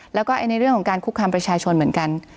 แล้วก็ในเรื่องของการคุกคามประชาชนเหมือนกัน